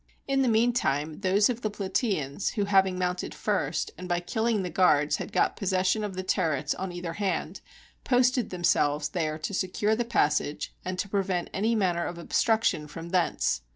In the mean time those of the Plataeans, who having mounted first, and by killing the guards had got posses sion of the turrets on either hand, posted themselves there to secure the passage, and to prevent any manner of obstruction from thence.